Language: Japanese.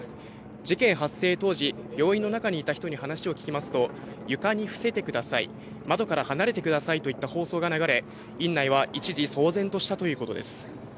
事件発生当時、病院の中にいた人に話を聞きますと、床に伏せてください、窓から離れてくださいといった放送が流れ、院内は一時、騒然としたということです。